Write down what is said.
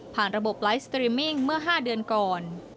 ระบบไลฟ์สตรีมมิ่งเมื่อ๕เดือนก่อน